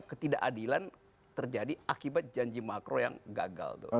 ketidakadilan terjadi akibat janji makro yang gagal tuh